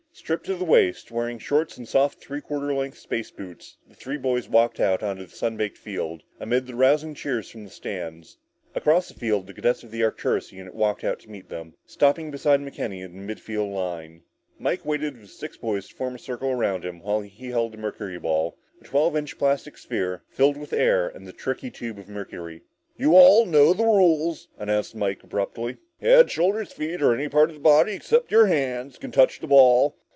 Stripped to the waist, wearing shorts and soft, three quarter length space boots, the three boys walked onto the sun baked field amid the rousing cheers from the stands. Across the field, the cadets of the Arcturus unit walked out to meet them, stopping beside McKenny at the mid field line. Mike waited for the six boys to form a circle around him, while he held the mercuryball, a twelve inch plastic sphere, filled with air and the tricky tube of mercury. "You all know the rules," announced McKenny abruptly. "Head, shoulders, feet, knees, or any part of your body except your hands, can touch the ball.